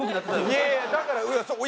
いやいやだからそう。